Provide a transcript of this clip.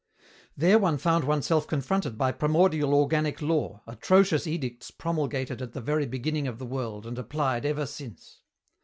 There one found oneself confronted by primordial organic law, atrocious edicts promulgated at the very beginning of the world and applied ever since.